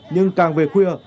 nhưng càng về khuya